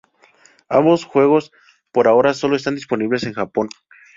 Ambos juegos por ahora solo están disponibles en Japón.